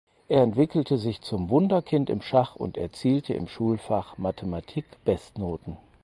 Er entwickelte sich zum Wunderkind im Schach und erzielte im Schulfach Mathematik Bestnoten.